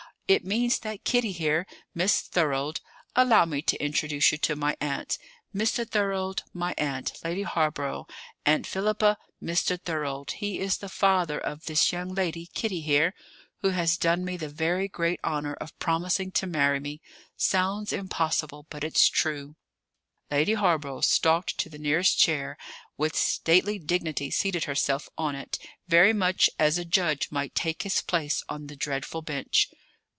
It means that Kitty here Miss Thorold, allow me to introduce you to my aunt. Mr. Thorold, my aunt, Lady Hawborough. Aunt Philippa, Mr. Thorold: he is the father of this young lady, Kitty here, who has done me the very great honour of promising to marry me. Sounds impossible; but it's true!" Lady Hawborough stalked to the nearest chair and, with stately dignity seated herself on it, very much as a judge might take his place on the dreadful bench.